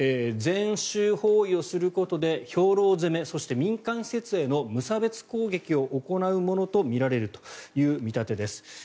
全周包囲をすることで兵糧攻めそして、民間施設への無差別攻撃を行うものとみられるという見立てです。